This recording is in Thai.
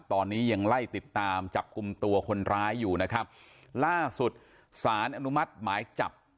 ตอนนี้ยังไล่ติดตามจับกลุ่มตัวคนร้ายอยู่นะครับล่าสุดสารอนุมัติหมายจับ